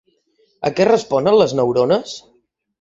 A què responen les neurones?